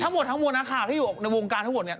ทั้งหมดทั้งมวลนะข่าวที่อยู่ในวงการทั้งหมดเนี่ย